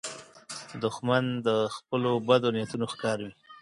دښمن د خپلو بدو نیتونو ښکار وي